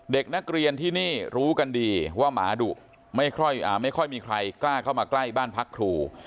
เด็กนักเรียนที่นี่รู้กันดีว่าหมาดุไม่ค่อยมีใครกล้าเข้ามาใกล้บ้านพักครู